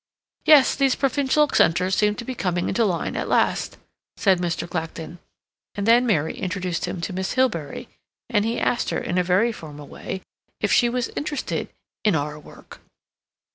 "Yes, these provincial centers seem to be coming into line at last," said Mr. Clacton, and then Mary introduced him to Miss Hilbery, and he asked her, in a very formal manner, if she were interested "in our work."